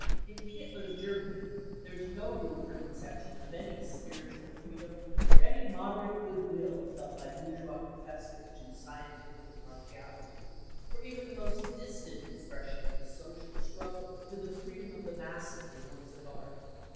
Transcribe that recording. In Hitler's Germany there is no room for con ceptions of any " spiritual freedom," for any moderate goodwill felt by bourgeois professors to scientific impartiality, for even the most distant expression of the social struggle for the freedom of the masses in works of art.